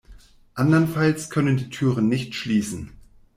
Andernfalls können die Türen nicht schließen.